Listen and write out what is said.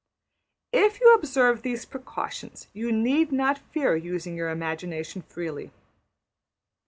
If you observe these precautions you need not fear using your imagination freely.